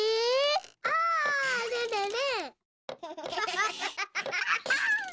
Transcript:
あれれれ？